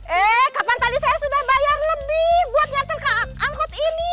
eh kapan tadi saya sudah bayar lebih buat ngatur ke angkut ini